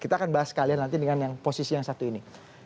kita akan bahas kalian nanti dengan yang posisi yang satu ini